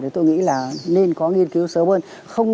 thì tôi nghĩ là nên có nghiên cứu sớm hơn